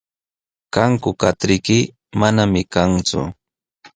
¿Kanku katriyki? Manami kanku.